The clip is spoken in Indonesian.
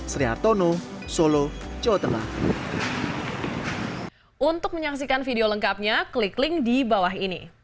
seriartono solo jawa tengah